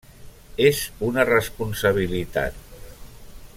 És una responsabilitat.